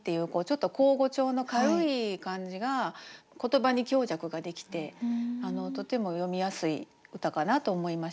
ちょっと口語調の軽い感じが言葉に強弱ができてとても読みやすい歌かなと思いました。